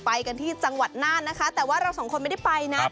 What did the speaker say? ไปกันที่จังหวัดน่านนะคะแต่ว่าเราสองคนไม่ได้ไปนะ